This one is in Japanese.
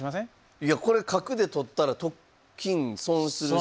いやこれ角で取ったら金損するし。